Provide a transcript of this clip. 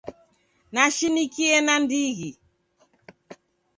Nashinikie nandighi.